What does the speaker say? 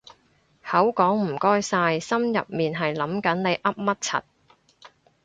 口講唔該晒心入面係諗緊你噏乜柒